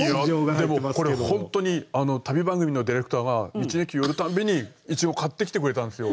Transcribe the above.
でもこれ本当に旅番組のディレクターが道の駅寄るたんびに苺買ってきてくれたんですよ。